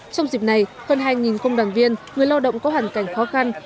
trong dịp này hơn hai công đoàn viên người lao động có hoàn cảnh khó khăn